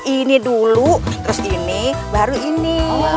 ini dulu terus ini baru ini